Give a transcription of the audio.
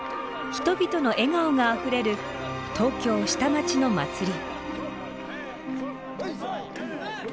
人々の笑顔があふれる東京下町の祭り。